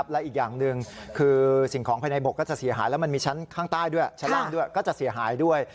และอีกอย่างคือเพื่อนของแรงดูกรกลงเข้ามีชั้นข้างแถวด้วยก็จะเสียหายด้วย